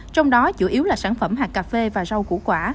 trong đó chủ yếu là sản phẩm hạt cà phê và rau củ quả